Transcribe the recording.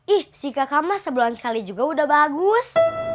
ih jika kamu sebulan sekali juga udah bagus